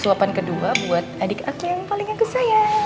suapan kedua buat adik aku yang paling aku sayang